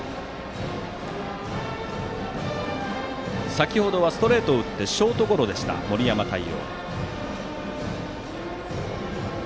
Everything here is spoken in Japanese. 先程はストレートを打ってショートゴロでした、森山太陽。